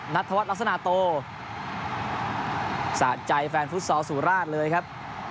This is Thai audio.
ธวัฒนลักษณะโตสะใจแฟนฟุตซอลสุราชเลยครับ